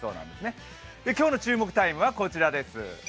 今日の注目タイムはこちらです。